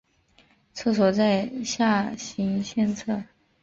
厕所在下行线侧。